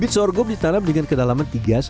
bit sorghum ditanam dengan kedalaman